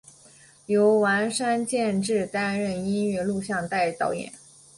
由丸山健志担任音乐录影带导演。